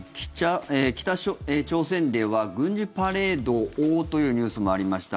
北朝鮮では軍事パレードをというニュースもありました。